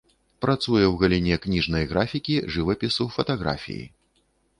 Працуе ў галіне кніжнай графікі, жывапісу, фатаграфіі.